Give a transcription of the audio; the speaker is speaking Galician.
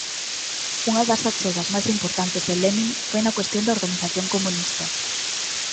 Unha das achegas máis importantes de Lenin foi na cuestión da organización comunista.